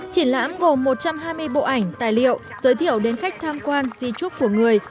triển lãm gồm một trăm hai mươi bộ ảnh tài liệu giới thiệu đến khách tham quan di trúc của người